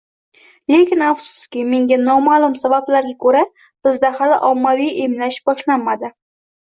Lekin afsuski, menga noma’lum sabablarga ko‘ra, bizda hali ommaviy emlash boshlanmadi.